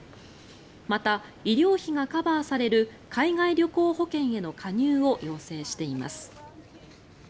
また、医療費がカバーされる海外旅行保険への加入を要請しています。